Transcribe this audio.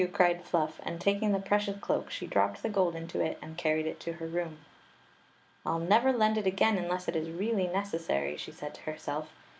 " cried Fluff; and taking the pre cious cloak she dropped the gold into it and carried it to her room. " I 11 never lend it again unless it is really neces* Story of the iViagic Cloak 135 sary," she said to herself.